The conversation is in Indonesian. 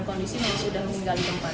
kondisi masih sudah meninggal di tempat